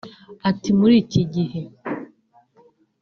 Ati”muri iki gihe